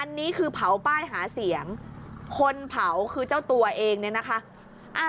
อันนี้คือเผาป้ายหาเสียงคนเผาคือเจ้าตัวเองเนี่ยนะคะ